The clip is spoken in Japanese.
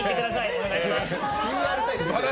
お願いします！